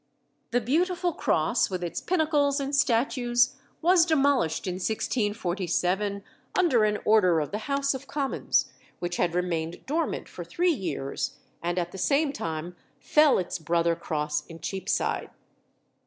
The beautiful cross, with its pinnacles and statues, was demolished in 1647 under an order of the House of Commons, which had remained dormant for three years; and at the same time fell its brother cross in Cheapside.